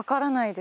で